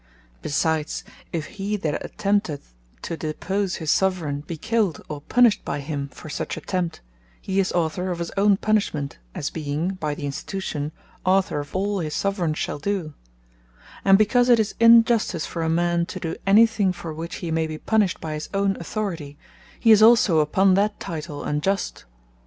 Besides, if he that attempteth to depose his Soveraign, be killed, or punished by him for such attempt, he is author of his own punishment, as being by the Institution, Author of all his Soveraign shall do: And because it is injustice for a man to do any thing, for which he may be punished by his own authority, he is also upon that title, unjust.